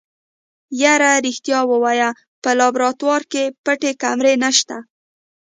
يره رښتيا ووايه په لابراتوار کې پټې کمرې نشته.